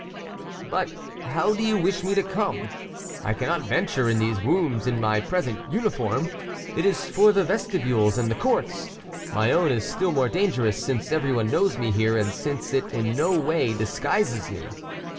"But how do you wish me to come? I can not venture in these rooms in my present uniform—it is for the vestibules and the courts. My own is still more dangerous, since everyone knows me here, and since it in no way disguises me."